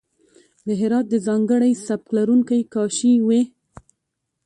د هرات د ځانګړی سبک لرونکی کاشي وې.